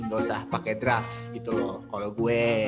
gak usah pakai draft gitu loh kalau gue